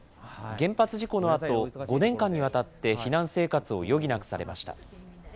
原発事故のあと、５年間にわたって避難生活を余儀なくされました。